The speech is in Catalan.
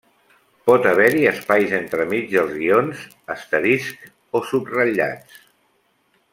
Pot haver-hi espais entremig dels guions, asteriscs o subratllats.